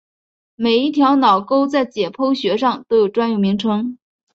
每一条脑沟在解剖学上都有专有名称。